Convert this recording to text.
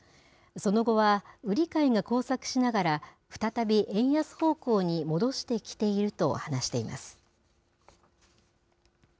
その後は売り買いが交錯しながら再び円安方向に戻してきていると話しています。